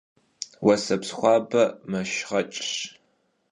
Vueseps xuabe meşşğeç'ş.